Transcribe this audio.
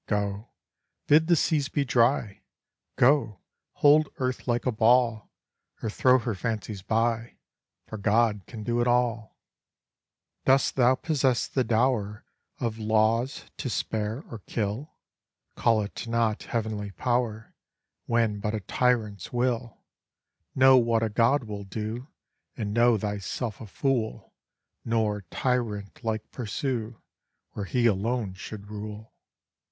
Go, bid the seas be dry, Go, hold earth like a ball, Or throw her fancies by, For God can do it all. Dost thou possess the dower Of laws to spare or kill? Call it not heav'nly power When but a tyrant's will; Know what a God will do, And know thyself a fool, Nor tyrant like pursue Where He alone should rule.